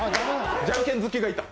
じゃんけん好きがいた。